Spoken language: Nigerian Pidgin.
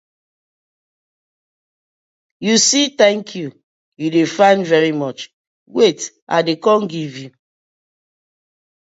You see "thank you", you dey find "very much", wait I dey com giv you.